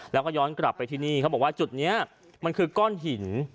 แล้วก็ย้อนกลับไปที่นี่เขาบอกว่าจุดนี้มันคือก้อนหิน